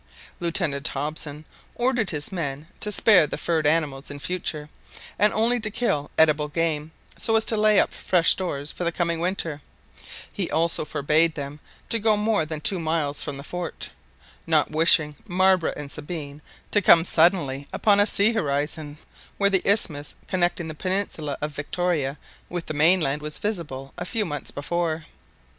Lieutenant Hobson ordered his men to spare the furred animals in future, and only to kill edible game, so as to lay up fresh stores for the coming winter; he also forbade them to go more than two miles from the fort, not wishing Marbre and Sabine to come suddenly upon a sea horizon, where the isthmus connecting the peninsula of Victoria with the mainland was visible a few months before.